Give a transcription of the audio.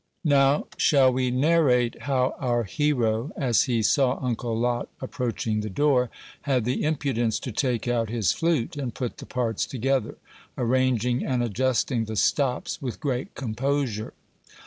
Now shall we narrate how our hero, as he saw Uncle Lot approaching the door, had the impudence to take out his flute, and put the parts together, arranging and adjusting the stops with great composure?